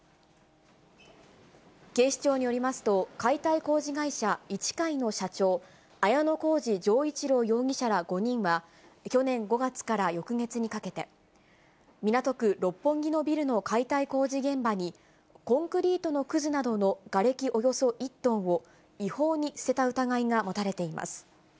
警視庁によりますと、解体工事会社、壱解の社長、綾乃小路丈一朗容疑者ら５人は、去年５月から翌月にかけて、港区六本木のビルの解体工事現場に、コンクリートのくずなどのがれきおよそ１トンを、違法に捨てた疑いが持たれています。